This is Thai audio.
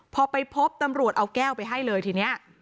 พอไปพบตำรวจเอาแก้วไปให้เลยทีนี้